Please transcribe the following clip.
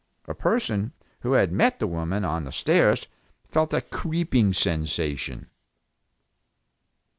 A person who had met the woman on the stairs felt a creeping sensation.